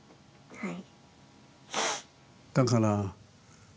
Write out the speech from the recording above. はい。